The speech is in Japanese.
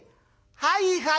はいはい。